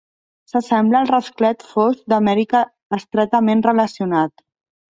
S'assembla al rasclet fosc d'Amèrica estretament relacionat.